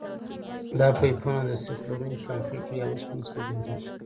دا پایپونه د سیخ لرونکي کانکریټو یا اوسپنې څخه جوړیږي